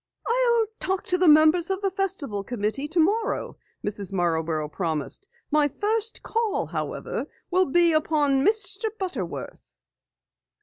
"I'll talk to the members of the Festival Committee tomorrow," Mrs. Marborough promised. "My first call, however, will be upon Mr. Butterworth."